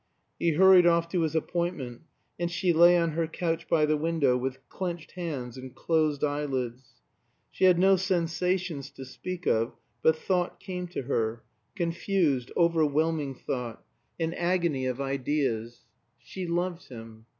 He hurried off to his appointment, and she lay on her couch by the window with clenched hands and closed eyelids. She had no sensations to speak of; but thought came to her confused, overwhelming thought an agony of ideas. She loved him.